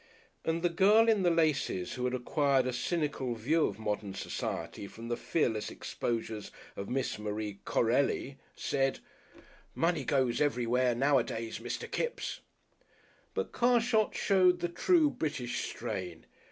And the girl in the laces who had acquired a cynical view of Modern Society from the fearless exposures of Miss Marie Corelli, said, "Money goes everywhere nowadays, Mr. Kipps." But Carshot showed the true British strain.